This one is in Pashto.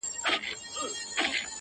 • ور څرگنده یې آرزو کړه له اخلاصه -